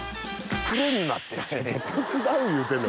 「手伝う」言うてんねん。